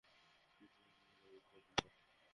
আপনি আগে করুন, স্যার!